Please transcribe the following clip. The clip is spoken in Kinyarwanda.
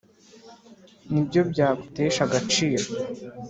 ni byo byagutesha agaciro.